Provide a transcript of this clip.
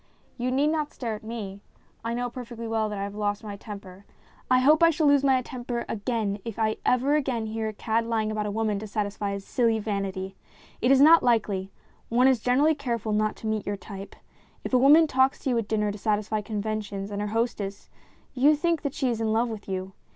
You need not stare at me. I know perfectly well that I have lost my temper. I hope I shall lose my temper again if ever again I hear a cad lying about a woman to satisfy his silly vanity ; it is not likely ; one is generally careful not to meet your type. If a woman talks to you at dinner, to satisfy conventions and her hostess, you think that she is in love with you.